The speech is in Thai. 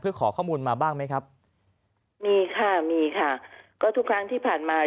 เพื่อขอข้อมูลมาบ้างไหมครับมีค่ะมีค่ะก็ทุกครั้งที่ผ่านมา